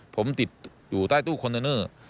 ผมติดอยู่ใต้ตู้คอนเทนเนอร์